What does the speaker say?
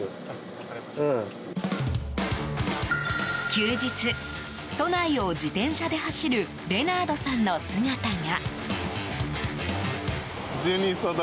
休日、都内を自転車で走るレナードさんの姿が。